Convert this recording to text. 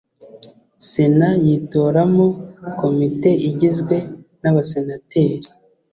sena yitoramo komite igizwe n abasenateri